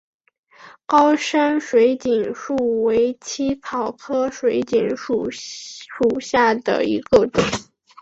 高山水锦树为茜草科水锦树属下的一个种。